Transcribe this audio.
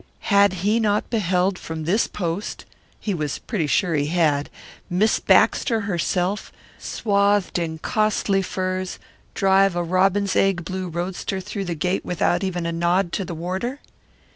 Had he not beheld from this post he was pretty sure he had Miss Baxter herself, swathed in costly furs, drive a robin's egg blue roadster through the gate without even a nod to the warder?